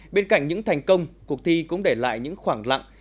bên cạnh những thành công cuộc thi cũng để lại những khoảng lặng